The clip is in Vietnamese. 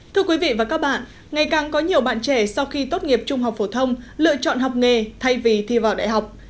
thưa quý vị và các bạn ngày càng có nhiều bạn trẻ sau khi tốt nghiệp trung học phổ thông lựa chọn học nghề thay vì thi vào đại học